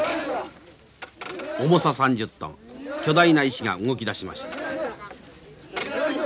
重さ３０トン巨大な石が動き出しました。